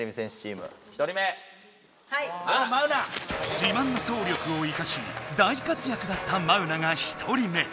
自慢の走力を生かし大活躍だったマウナが１人目。